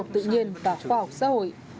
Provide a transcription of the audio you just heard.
tự nhiên và khoa học xã hội